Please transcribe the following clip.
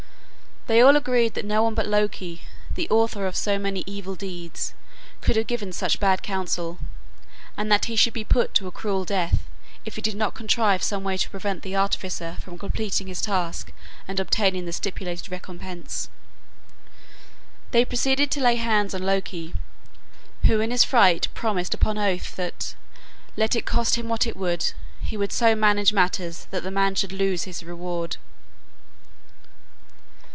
They all agreed that no one but Loki, the author of so many evil deeds, could have given such bad counsel, and that he should be put to a cruel death if he did not contrive some way to prevent the artificer from completing his task and obtaining the stipulated recompense. They proceeded to lay hands on Loki, who in his fright promised upon oath that, let it cost him what it would, he would so manage matters that the man should lose his reward.